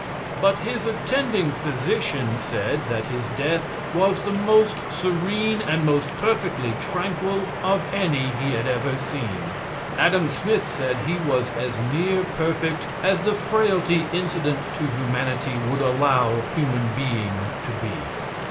But his attending physician said that his death was the most serene and most perfectly tranquil of any he had ever seen. Adam Smith said he was as near perfect as the frailty incident to humanity would allow human being to be.